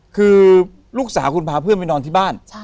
คือลูกสาวคุณพาเพื่อนไปนอนที่บ้าน